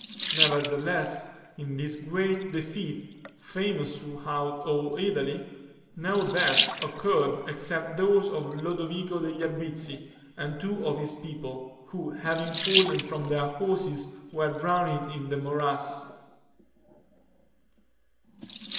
Nevertheless, in this great defeat, famous throughout all Italy, no death occurred except those of Lodovico degli Obizi and two of his people, who having fallen from their horses were drowned in the morass.